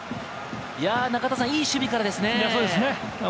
中田さん、いい守備からですね。